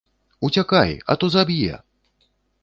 Уцякай, а то заб'е!